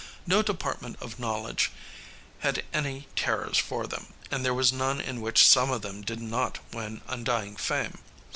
No department of knowledge had any terrors for them, and there was none in which some of them did not win undying fame.